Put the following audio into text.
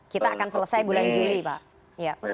kita akan selesai bulan juli pak